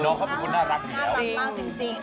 น้องข้าวประกุณ์น่ารักดีแล้วจริง